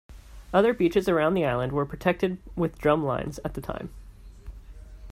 Other beaches around the island were protected with drum lines at the time.